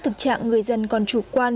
trước thực trạng người dân còn chủ quan